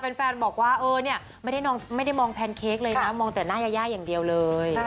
เป็นแฟนบอกว่าไม่ได้มองแพนเค้กเลยนะมองแต่หน้าย่ายอย่างเดียวเลย